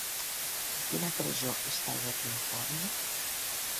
En quina presó està Joaquim Forn?